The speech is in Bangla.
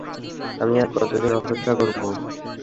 আমি আর কতদিন অপেক্ষা করবো?